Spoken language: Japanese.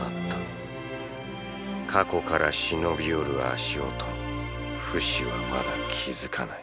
過去から忍び寄る足音にフシはまだ気付かない